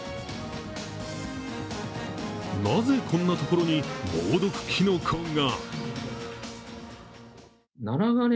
なぜ、こんなところに猛毒きのこが？